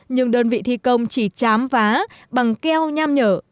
nhưng đơn vị thi công chỉ chám vá bằng keo nham nhở